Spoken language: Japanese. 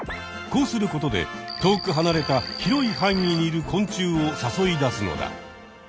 こうすることで遠くはなれた広いはん囲にいる昆虫をさそい出すのだ。